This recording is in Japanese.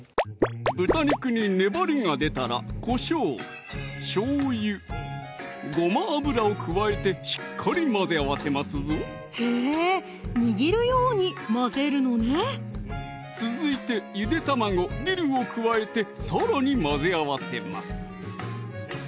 豚肉に粘りが出たらこしょう・しょうゆ・ごま油を加えてしっかり混ぜ合わせますぞへぇ握るように混ぜるのね続いてゆで卵・ディルを加えてさらに混ぜ合わせます